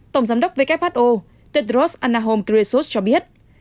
tổng giám đốc who tedros anahom ghebreyesus cho biết